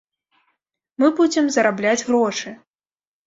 Мы будзем зарабляць грошы.